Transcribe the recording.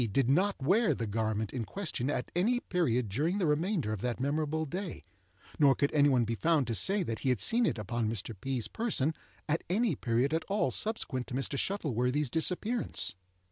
did not wear the garment in question at any period during the remainder of that memorable day, nor could any one be found to say that he had seen it upon Mr. P.'s person at any period at all subsequent to Mr. Shuttleworthy's disappearance.